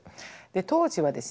当時はですね